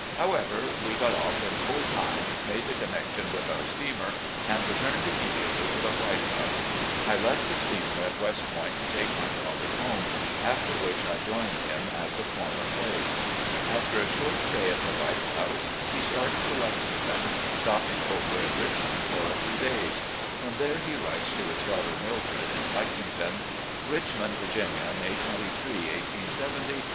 However, we got off in full time — ^made the connection with our steamer, and returned immediately to the "White House." I left the steamer at West Point to take my horse home, after which I joined him at the former place. After a short stay at the "White House," he started for Lexington, stopping over in Richmond for a few days. From there he writes to his daughter Mildred in Lexington: THE SOUTHERN TRIP 411 "Richmond, Virginia, May 23, 1870.